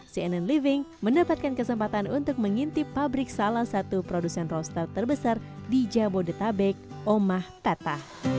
cnn living mendapatkan kesempatan untuk mengintip pabrik salah satu produsen roster terbesar di jabodetabek omah tata